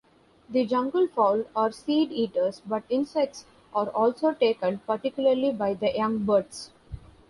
The junglefowl are seed-eaters, but insects are also taken, particularly by the young birds.